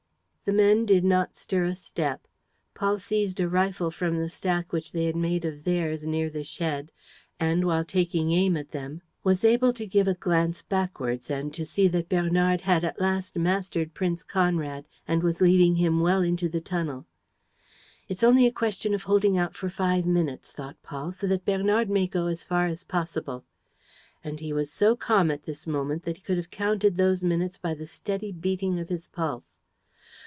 The men did not stir a step. Paul seized a rifle from the stack which they had made of theirs near the shed and, while taking aim at them, was able to give a glance backwards and to see that Bernard had at last mastered Prince Conrad and was leading him well into the tunnel. "It's only a question of holding out for five minutes," thought Paul, "so that Bernard may go as far as possible." And he was so calm at this moment that he could have counted those minutes by the steady beating of his pulse.